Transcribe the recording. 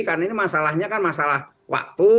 karena ini masalahnya kan masalah waktu